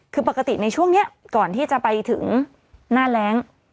คือปกติในช่วงนี้ก่อนที่จะไปถึงหน้าแรง